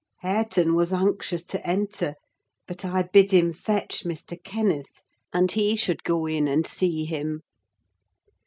Hareton was anxious to enter; but I bid him fetch Mr. Kenneth, and he should go in and see him.